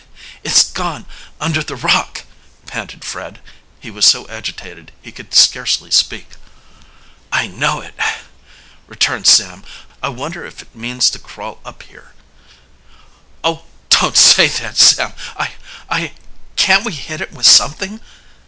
"It's gone under the rock!" panted Fred. He was so agitated he could scarcely speak. "I know it," returned Sam. "I wonder if it means to crawl up here?" "Oh, don't say that, Sam. I I can't we hit it with something?"